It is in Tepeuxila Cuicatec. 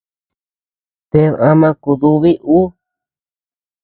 Ted ama kudubi ú.